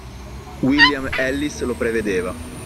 William Ellis lo prevedeva.